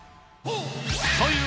という